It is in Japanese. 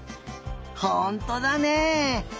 ほんとだねえ。